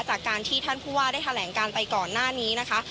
จากการที่ท่านผู้ว่าได้แถลงการไปก่อนหน้านี้นะคะ